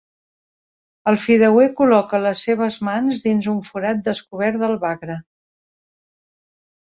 El fideuer col·loca les seves mans dins un forat descobert del bagra.